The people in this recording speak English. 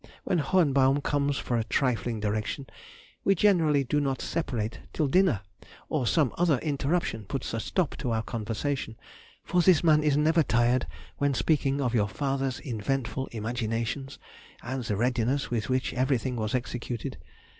When Hohenbaum comes for a trifling direction, we generally do not separate till dinner, or some other interruption puts a stop to our conversation; for this man is never tired when speaking of your father's inventful imaginations and the readiness with which everything was executed.